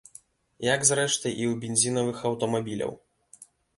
Як, зрэшты, і ў бензінавых аўтамабіляў.